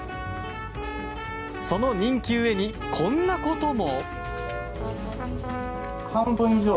その人気故に、こんなことも。